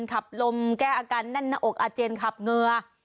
ขับลมแก้อาการแน่นหน้าอกอาเจียนขับเงือ